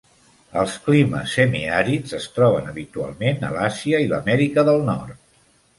Els climes semiàrids es troben habitualment a l'Àsia i l'Amèrica del Nord.